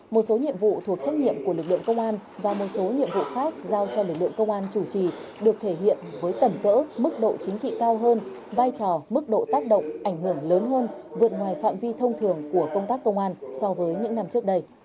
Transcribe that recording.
một số nhiệm vụ thuộc trách nhiệm của lực lượng công an và một số nhiệm vụ khác giao cho lực lượng công an chủ trì được thể hiện với tầm cỡ mức độ chính trị cao hơn vai trò mức độ tác động ảnh hưởng lớn hơn vượt ngoài phạm vi thông thường của công tác công an so với những năm trước đây